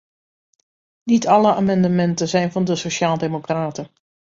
Niet alle amendementen zijn van de sociaal-democraten.